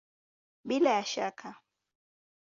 Bila ya shaka!